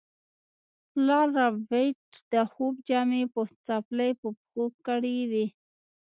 پلار ربیټ د خوب جامې او څپلۍ په پښو کړې وې